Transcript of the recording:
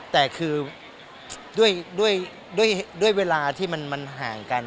แต่คือด้วยเวลาที่มันห่างกัน